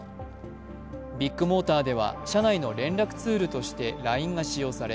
ビッグモーターでは社内の連絡ツールとしてＬＩＮＥが使用され、